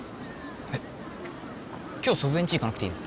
えっ今日祖父江んち行かなくていいの？